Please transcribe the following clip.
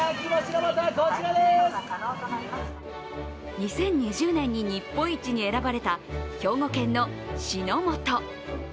２０２０年に日本一に選ばれた兵庫県の志のもと。